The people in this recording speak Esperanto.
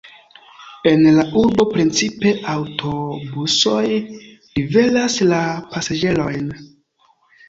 En la urbo precipe aŭtobusoj liveras la pasaĝerojn.